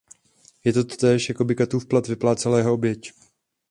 Je to totéž, jako by katův plat vyplácela jeho oběť!